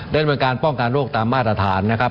ดำเนินการป้องกันโรคตามมาตรฐานนะครับ